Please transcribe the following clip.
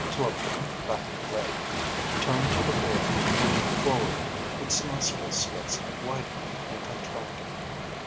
Tloto backed away, turned to the boy, and came forward, its nostril slits widening and contracting.